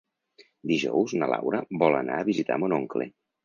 Dijous na Laura vol anar a visitar mon oncle.